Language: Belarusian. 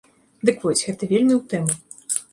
Дык вось, гэта вельмі ў тэму.